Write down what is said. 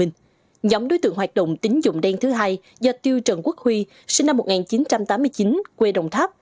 nhóm đối tượng hoạt động tính dụng đen thứ hai do tiêu trần quốc huy sinh năm một nghìn chín trăm tám mươi chín quê đồng tháp